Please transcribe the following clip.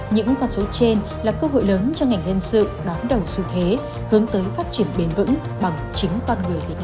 những con số trên là cơ hội lớn cho ngành liên sự đón đầu xu thế hướng tới phát triển bền vững bằng chính con người việt nam